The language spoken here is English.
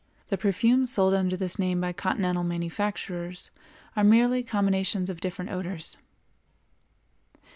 The perfumes sold under this name by Continental manufacturers are merely combinations of different odors.